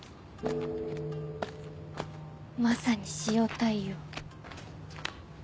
まさに塩対応。